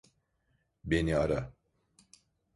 Beni ara.